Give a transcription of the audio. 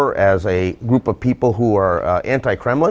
sebagai sebuah kumpulan orang yang anti kremlin